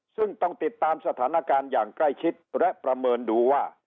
ซึ่งต้องติดตามสถานการณ์อย่างใกล้ชิดและประเมินดูว่า